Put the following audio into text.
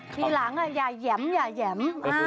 ทีหลังอย่าแหม่มอย่าแหยม